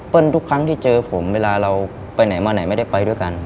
ทุกครั้งที่เจอผมเวลาเราไปไหนมาไหนไม่ได้ไปด้วยกัน